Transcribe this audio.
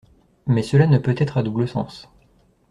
Mais cela ne peut être à double sens.